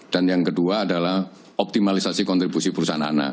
dan yang kedua adalah optimalisasi kontribusi perusahaan ana